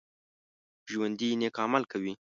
ژوندي نیک عمل کوي